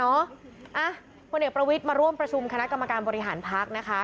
นะอ่ะพนักประวิธมาร่วมประชุมคณะกรรมการบริหารพักษมณ์นะคะ